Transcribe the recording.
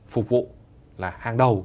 phục vụ là hàng đầu